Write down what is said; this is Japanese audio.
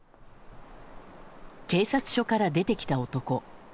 警察署から出てきた男。